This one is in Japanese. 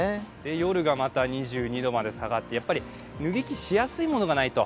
夜がまた２２度まで下がって、やはり脱ぎ着しやすいものがないと。